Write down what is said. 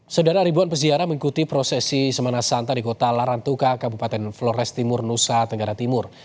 saudara ribuan peziarah mengikuti prosesi semana santa di kota larantuka kabupaten flores timur nusa tenggara timur